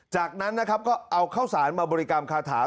จากนั้นนะครับก็เอาข้าวสารมาบริกรรมคาถา